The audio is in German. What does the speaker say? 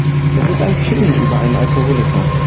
Es ist ein Film über einen Alkoholiker.